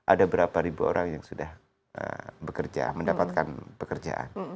ada berapa ribu orang yang sudah bekerja mendapatkan pekerjaan